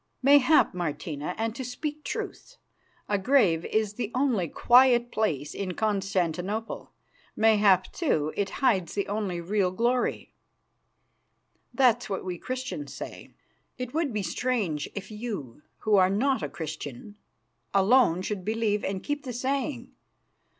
"Mayhap, Martina, and to speak truth, a grave is the only quiet place in Constantinople. Mayhap, too, it hides the only real glory." "That's what we Christians say. It would be strange if you, who are not a Christian, alone should believe and keep the saying.